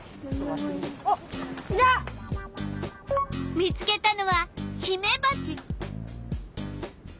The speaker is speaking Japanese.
見つけたのはヒメバチ。